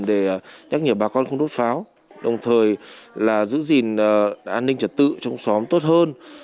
để nhắc nhở bà con không đốt pháo đồng thời là giữ gìn an ninh trật tự trong xóm tốt hơn